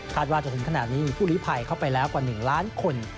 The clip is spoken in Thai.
คาดว่าจนขนาดนี้ผู้ลิภัยเข้าไปแล้วกว่าหนึ่งล้านคน